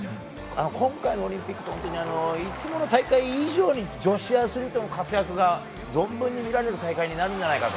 今回のオリンピックはいつもの大会以上に女子アスリートの活躍が存分にみられる大会になるんじゃないかと。